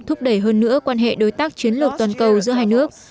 thúc đẩy hơn nữa quan hệ đối tác chiến lược toàn cầu giữa hai nước